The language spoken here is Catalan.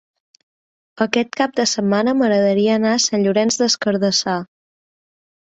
Aquest cap de setmana m'agradaria anar a Sant Llorenç des Cardassar.